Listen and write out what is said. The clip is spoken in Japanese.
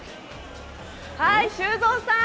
修造さん